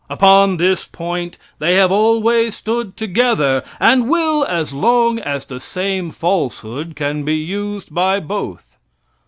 Upon this point they have always stood together, and will as long as the same falsehood can be used by both.